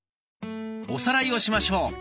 おさらいをしましょう。